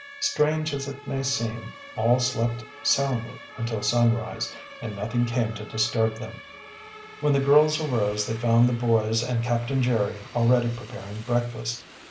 Strange as it may seem all slept soundly until sunrise, and nothing came to disturb them. When the girls arose they found the boys and Captain Jerry already preparing breakfast.